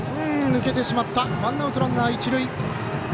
抜けてしまったワンアウト、ランナー、一塁。